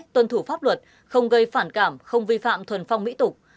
tuân thủ pháp luật không gây phản cảm không vi phạm thuần phong mỹ tục